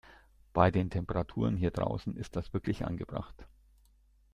Bei den Temperaturen hier draußen ist das wirklich angebracht.